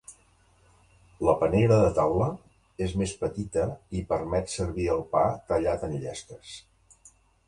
La panera de taula és més petita i permet servir el pa tallat en llesques.